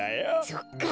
そっか。